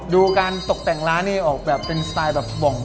ดูการตกแต่งร้านนี่ออกแบบเป็นสไตล์แบบบ่อง